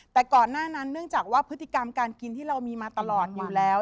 แต่ก่อนหน้านั้นเนื่องจากว่าพฤติกรรมการกินที่เรามีมาตลอดอยู่แล้ว